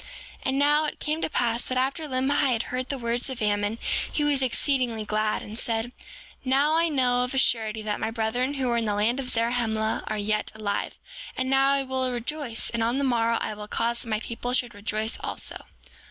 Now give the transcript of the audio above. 7:14 And now, it came to pass that after Limhi had heard the words of Ammon, he was exceedingly glad, and said: Now, I know of a surety that my brethren who were in the land of Zarahemla are yet alive. And now, I will rejoice; and on the morrow I will cause that my people shall rejoice also.